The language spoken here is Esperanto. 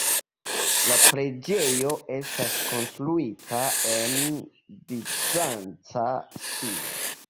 La preĝejo estas konstruita en bizanca stilo.